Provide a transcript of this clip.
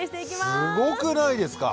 すごくないですか。